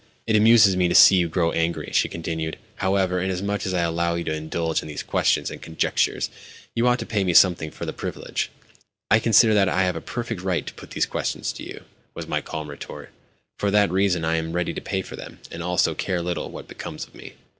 "It amuses me to see you grow angry," she continued. "However, inasmuch as I allow you to indulge in these questions and conjectures, you ought to pay me something for the privilege." "I consider that I have a perfect right to put these questions to you," was my calm retort; "for the reason that I am ready to pay for them, and also care little what becomes of me."